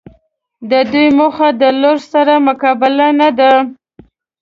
د دوی موخه د لوږي سره مقابله نده